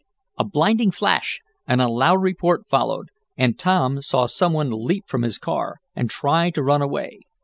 A blinding flash and a loud report followed, and Tom saw some one leap from his car, and try to run away.